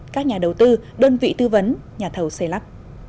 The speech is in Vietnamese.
các nhà đầu tư đơn vị tư vấn nhà thầu xây lắp